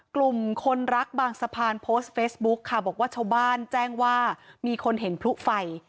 กลุ่มคนรักบางสะพานโพสต์เฟซบุ๊กค่ะบอกว่าชาวบ้านแจ้งว่ามีคนเห็นพลุไฟ